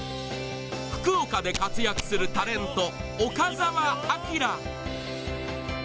福岡で活躍するタレント岡澤アキラ